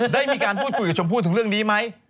ได้มีการพูดคุยกับชมพูดถึงเรื่องนี้ไหม